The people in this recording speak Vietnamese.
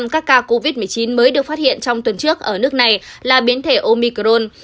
một mươi các ca covid một mươi chín mới được phát hiện trong tuần trước ở nước này là biến thể omicron